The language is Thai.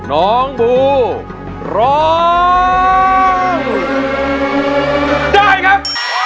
น้องบูร้องได้ครับ